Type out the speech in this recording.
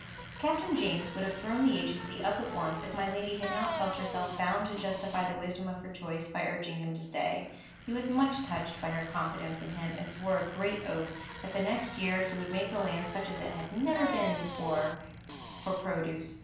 Captain James would have thrown the agency up at once, if my lady had not felt herself bound to justify the wisdom of her choice, by urging him to stay. He was much touched by her confidence in him, and swore a great oath, that the next year he would make the land such as it had never been before for produce.